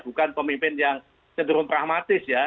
bukan pemimpin yang cenderung pragmatis ya